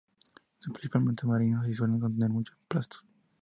Son principalmente marinas y suelen contener muchos plastos.